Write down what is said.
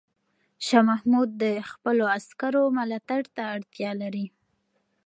شاه محمود د خپلو عسکرو ملاتړ ته اړتیا لري.